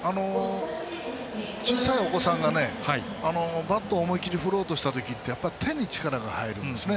小さいお子さんがねバットを思い切り振ろうとした時って手に力が入るんですね。